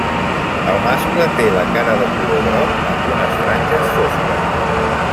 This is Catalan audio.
El mascle té la cara de color groc, amb unes franges fosques.